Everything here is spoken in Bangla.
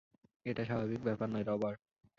এটা স্বাভাবিক ব্যাপার নয়, রবার্ট।